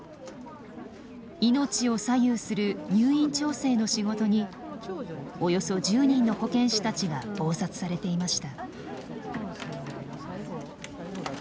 命を左右する入院調整の仕事におよそ１０人の保健師たちが忙殺されていました。